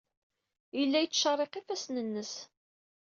Yella yettcerriq ifassen-nnes.